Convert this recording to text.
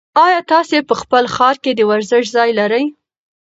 ایا تاسي په خپل ښار کې د ورزش ځای لرئ؟